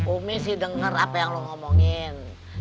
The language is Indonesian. umi sih denger apa yang lo ngomongin